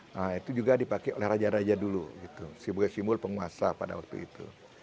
nah itu juga dipakai oleh raja raja dulu gitu sebagai simbol penguasa pada waktu itu